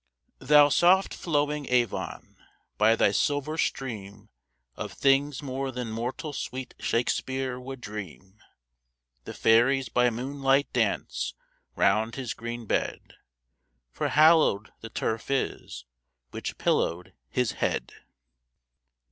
Thou soft flowing Avon, by thy silver stream Of things more than mortal sweet Shakespeare would dream The fairies by moonlight dance round his green bed, For hallow'd the turf is which pillow'd his head.